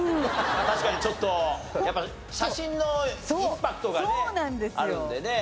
確かにちょっとやっぱ写真のインパクトがねあるんでね。